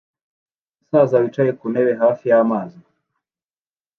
Umusaza wicaye ku ntebe hafi y'amazi